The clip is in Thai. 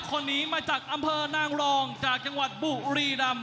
คนนี้มาจากอำเภอนางรองจากจังหวัดบุรีรำ